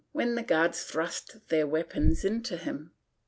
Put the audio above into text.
when the guards thrust their weapons into him.